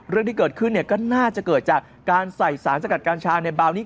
เรื่องที่เกิดขึ้นก็น่าจะเกิดจากการใส่สารสกัดกัญชาในเบานี้